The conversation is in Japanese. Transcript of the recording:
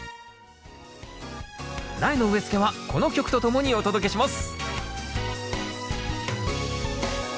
苗の植え付けはこの曲とともにお届けします